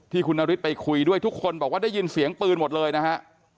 ที่คุณนฤทธิไปคุยด้วยทุกคนบอกว่าได้ยินเสียงปืนหมดเลยนะฮะ